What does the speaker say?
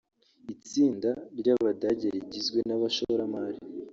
Itsinda ry’Abadage rigizwe n’abashoramari